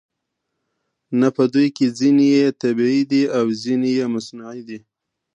نه په دوی کې ځینې یې طبیعي دي او ځینې یې مصنوعي دي